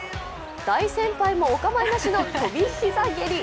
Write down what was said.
大先輩もお構いなしの跳び膝蹴り。